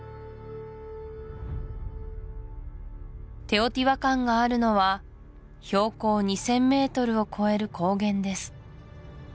テオティワカンがあるのは標高２０００ｍを超える高原です